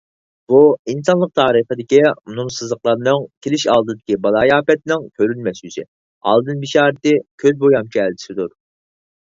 بۇ ئىنسانلىق تارىخىدىكى نۇمۇسسىزلىقلارنىڭ، كېلىش ئالدىدىكى بالايىئاپەتنىڭ كۆرۈنمەس يۈزى، ئالدىن بېشارىتى، كۆز بويامچى ئەلچىسىدۇر.